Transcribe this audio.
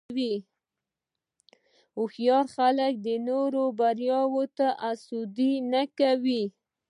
هوښیار خلک د نورو بریاوو ته حسد نه کوي.